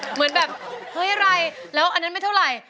เหมือนแบบเฮ้ยอะไรแล้วอันนั้นไม่เท่าไหร่